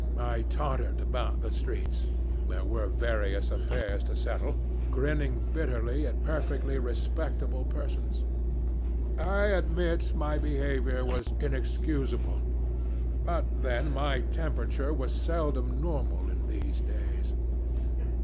I tottered about the streets there were various affairs to settle grinning bitterly at perfectly respectable persons. I admit my behavior was inexcusable, but then my temperature was seldom normal in these days.